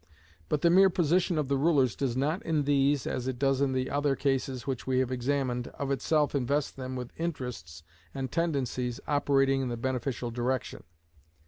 But the mere position of the rulers does not in these, as it does in the other cases which we have examined, of itself invest them with interests and tendencies operating in the beneficial direction.